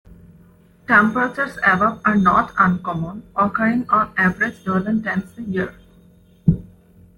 Temperatures above are not uncommon, occurring on average eleven times a year.